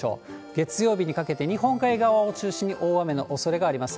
月曜日にかけて日本海側を中心に大雨のおそれがあります。